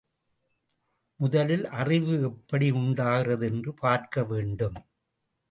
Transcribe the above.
முதலில் அறிவு எப்படி உண்டாகிறது என்று பார்க்கவேண்டும்.